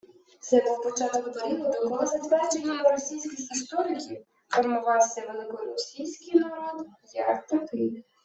Це був початок періоду, коли, за твердженнями російських істориків, формувався «великоросійський» народ як такий